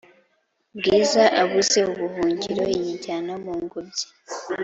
bwiza abuze ubuhungiro yijyana mungobyi